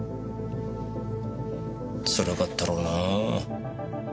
辛かったろうな。